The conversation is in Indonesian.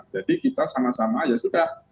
jadi kita sama sama ya sudah